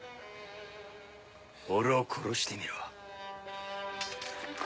俺を殺してみろ。